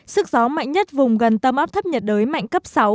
sức gió mạnh nhất vùng gần tâm áp thấp nhiệt đới mạnh cấp sáu